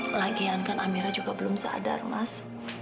lagian kan amera juga belum sadar mas